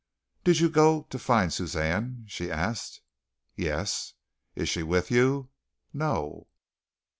"Did you go to find Suzanne?" she asked. "Yes." "Is she with you?" "No."